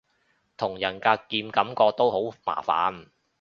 同人格劍感覺都好麻煩